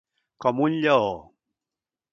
Com un lleó.